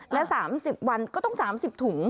และ๓๐วันก็ต้อง๓๐ถุง